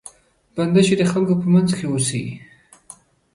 بنده چې د خلکو په منځ کې اوسي.